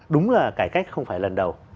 đúng là cải cách không phải lần đầu